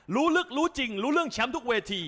รู้ลึกรู้จริงรู้เรื่องแชมป์ทุกเวที